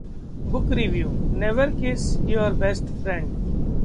book review: never kiss your best friend